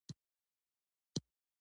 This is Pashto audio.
د ګلونو بوی د قدرت ښایست څرګندوي.